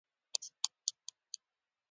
د چای لپاره مو ککو او چاکلېټ واخيستل.